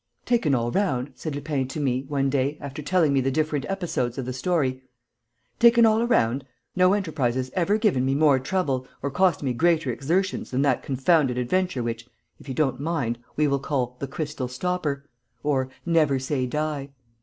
"Taken all round," said Lupin to me, one day, after telling me the different episodes of the story, "taken all around, no enterprise has ever given me more trouble or cost me greater exertions than that confounded adventure which, if you don't mind, we will call, The Crystal Stopper; or, Never Say Die.